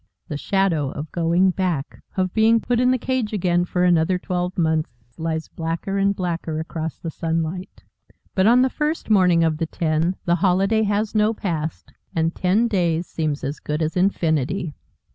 The shadow of going back, of being put in the cage again for another twelve months, lies blacker and blacker across the sunlight. But on the first morning of the ten the holiday has no past, and ten days seems as good as infinity.